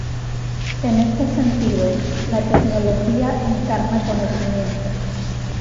En este sentido, la tecnología encarna conocimiento.